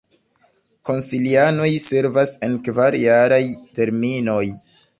Konsilianoj servas en kvar-jaraj terminoj.